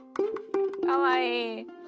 かわいい！